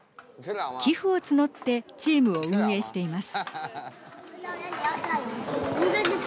寄付を募ってチームを運営しています。